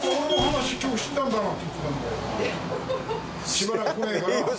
しばらく来ないから。